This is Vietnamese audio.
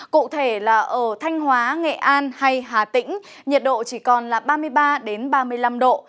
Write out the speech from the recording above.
cụ thể là ở thanh hóa nghệ an hay hà tĩnh nhiệt độ chỉ còn là ba mươi ba ba mươi năm độ